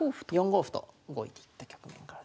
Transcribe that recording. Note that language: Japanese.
４五歩と動いていった局面からです。